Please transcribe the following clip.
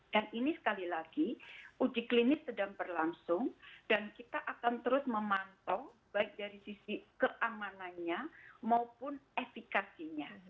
dan ini sekali lagi uji klinis sedang berlangsung dan kita akan terus memantau baik dari sisi keamanannya maupun efekasinya